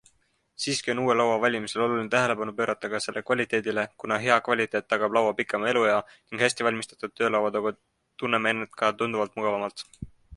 Siiski on uue laua valimisel oluline tähelepanu pöörata ka selle kvaliteedile, kuna hea kvaliteet tagab laua pikema eluea ning hästi valmistatud töölaua taga tunneme end ka tunduvalt mugavamalt.